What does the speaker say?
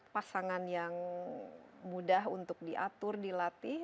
pasangan yang mudah untuk diatur dilatih